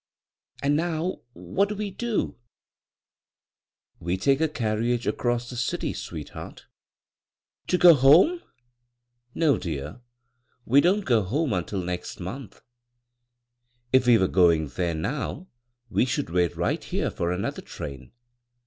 " Aad now what do we do ?"" We take a carriage across Ae dty, sweet heart." " To go home ?"" No, dear. We don't go home until next month. If we were going there now we should wait right here for another train.